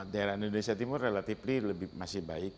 daerah indonesia timur relatif lebih masih baik